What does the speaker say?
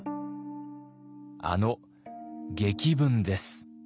あの檄文です。